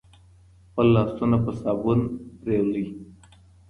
خپل لاسونه په صابون ووینځئ.